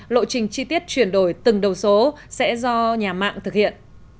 lộ trình chi tiết chuyển đổi từng đầu số sẽ do nhà mạng thực hiện